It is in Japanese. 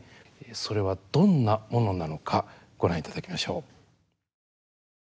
それはどんなものなのかご覧いただきましょう。